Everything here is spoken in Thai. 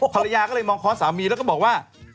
ภรรยาก็เลยมองค้อสามีแล้วก็บอกว่า